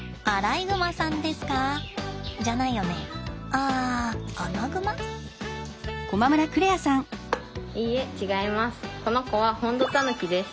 いいえ違います。